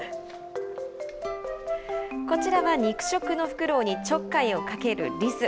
こちらは肉食のフクロウにちょっかいをかけるリス。